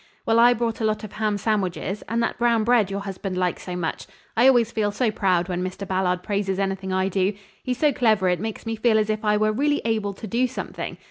Well, I brought a lot of ham sandwiches and that brown bread your husband likes so much. I always feel so proud when Mr. Ballard praises anything I do; he's so clever it makes me feel as if I were really able to do something.